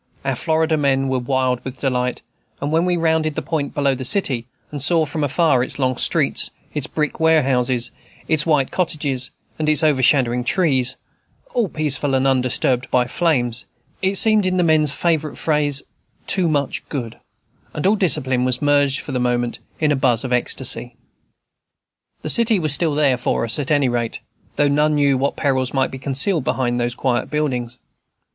Our Florida men were wild with delight; and when we rounded the point below the city, and saw from afar its long streets, its brick warehouses, its white cottages, and its overshadowing trees, all peaceful and undisturbed by flames, it seemed, in the men's favorite phrase, "too much good," and all discipline was merged, for the moment, in a buzz of ecstasy. The city was still there for us, at any rate; though none knew what perils might be concealed behind those quiet buildings.